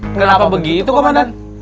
kenapa begitu komandan